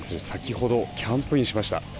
先ほどキャンプインしました。